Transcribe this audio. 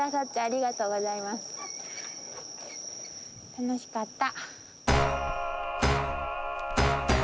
楽しかった！